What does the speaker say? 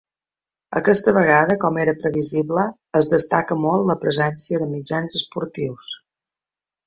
Aquesta vegada, com era previsible, es destaca molt la presència de mitjans esportius.